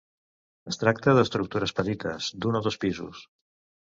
Es tracta d'estructures petites, d'un o dos pisos.